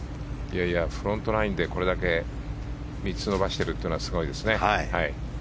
フロントナインでこれだけ３つ伸ばしているのはすごいですね。